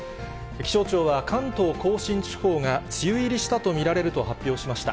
気象庁は、関東甲信地方が梅雨入りしたと見られると発表しました。